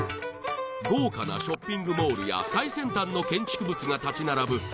豪華なショッピングモールや最先端の建築物が立ち並ぶ